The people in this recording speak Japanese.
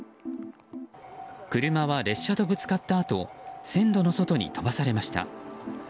車は列車とぶつかったあと線路の外に飛ばされました。